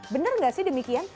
benar nggak sih demikian